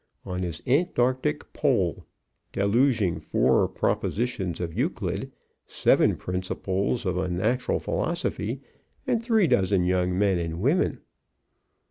on his Antartic pole, deluging four propositions of Euclid, seven principles of unnatural philosophy, and three dozen young men and women.